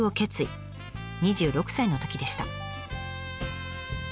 ２６歳のときでした。